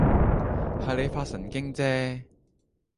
係你發神經啫